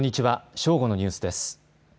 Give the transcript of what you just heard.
正午のニュースです。